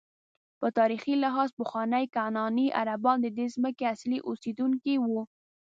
په تاریخي لحاظ پخواني کنعاني عربان ددې ځمکې اصلي اوسېدونکي وو.